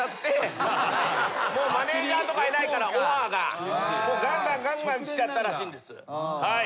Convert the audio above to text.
もうマネジャーとかいないからオファーががんがんがんがんきちゃったらしいんです。